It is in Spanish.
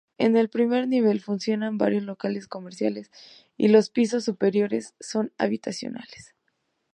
En el primer nivel funcionan varios locales comerciales, y los pisos superiores son habitacionales.